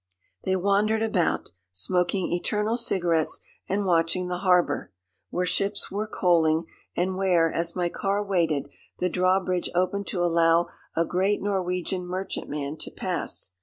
They wandered about, smoking eternal cigarettes and watching the harbour, where ships were coaling, and where, as my car waited, the drawbridge opened to allow a great Norwegian merchantman to pass.